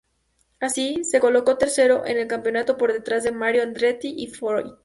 Así, se colocó tercero en el campeonato, por detrás de Mario Andretti y Foyt.